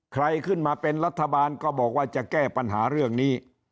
ใครขึ้นมาเป็นรัฐบาลก็บอกว่าจะแก้ปัญหาเรื่องนี้